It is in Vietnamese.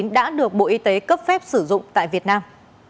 đã được bộ y tế cấp phép sử dụng tại việt nam